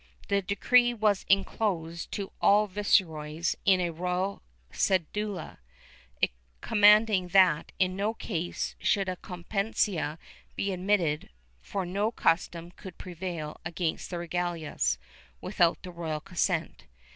The decree was enclosed to all viceroys in a royal cedula, commanding that, in no case, should a competencia be admitted, for no custom could prevail against the regalias, without the royal consent.